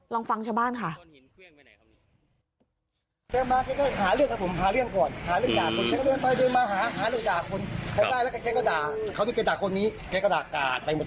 ลองฟังชาวบ้านค่ะ